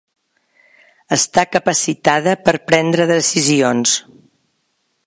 Està capacitada per prendre decisions.